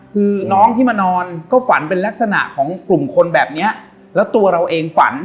คือน้องที่มานอนก็ฝันเป็นลักษณะของกลุ่มคนแบบเนี้ยแล้วตัวเราเองฝัน